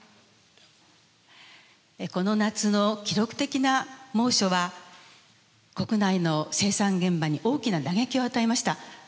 この夏の記録的な猛暑は国内の生産現場に大きな打撃を与えました。